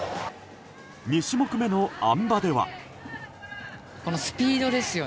２種目めの、あん馬では。